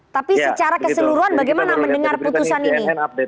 tapi secara keseluruhan bagaimana mendengar putusan ini